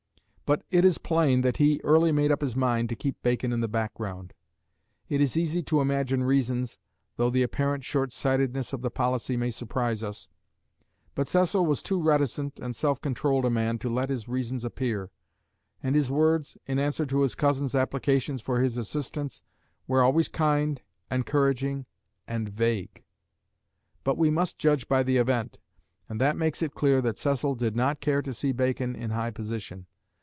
But it is plain that he early made up his mind to keep Bacon in the background. It is easy to imagine reasons, though the apparent short sightedness of the policy may surprise us; but Cecil was too reticent and self controlled a man to let his reasons appear, and his words, in answer to his cousin's applications for his assistance, were always kind, encouraging, and vague. But we must judge by the event, and that makes it clear that Cecil did not care to see Bacon in high position.